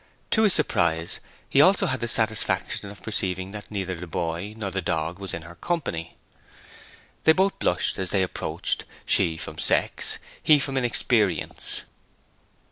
To his surprise he also had the satisfaction of perceiving that neither boy nor dog was in her company. They both blushed as they approached, she from sex, he from inexperience.